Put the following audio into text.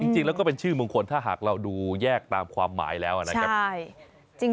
มังนั้นก็เป็นชื่อมงคลถ้าหากเราดูแยกตามความหมายแล้วอะนะ